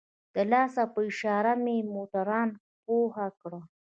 د لاس په اشاره مې موټروان پوه کړ.